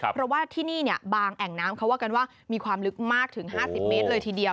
เพราะว่าที่นี่บางแอ่งน้ำเขาว่ากันว่ามีความลึกมากถึง๕๐เมตรเลยทีเดียว